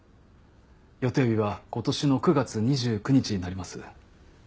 予定日は今年の９月２９日になります。